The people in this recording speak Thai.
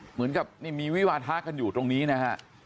เหมือนกับนี่มีวิวาทะกันอยู่ตรงนี้นะฮะ